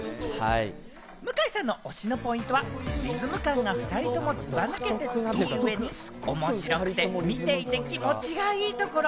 向井さんの推しのポイントは、リズム感が２人ともずば抜けている上に面白くて、見ていて気持ちがいいところ。